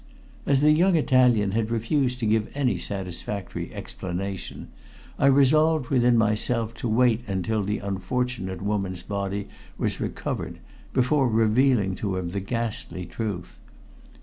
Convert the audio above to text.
As the young Italian had refused to give any satisfactory explanation, I resolved within myself to wait until the unfortunate woman's body was recovered before revealing to him the ghastly truth.